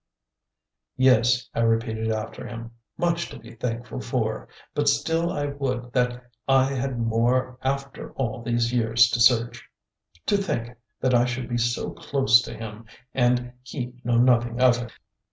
"Yes," I repeated after him, "much to be thankful for, but still I would that I had more after all these years to search. To think that I should be so close to him and he know nothing of it."